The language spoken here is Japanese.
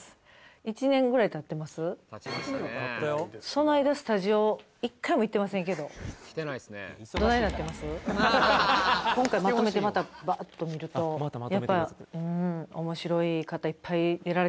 その間スタジオ１回も行ってませんけど今回まとめてまたバーッと見るとやっぱすごいですよ